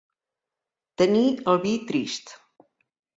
Tenir el vi trist.